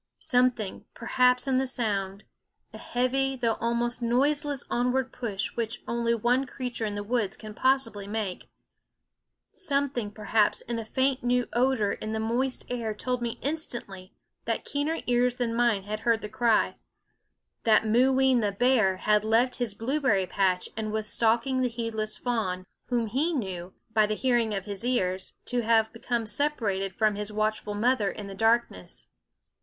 Something, perhaps, in the sound a heavy though almost noiseless onward push, which only one creature in the woods can possibly make something, perhaps, in a faint new odor in the moist air told me instantly that keener ears than mine had heard the cry; that Mooween the bear had left his blueberry patch, and was stalking the heedless fawn, whom he knew, by the hearing of his ears, to have become separated from his watchful mother in the darkness.